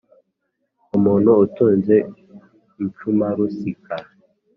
umuntu utunze incumarusika !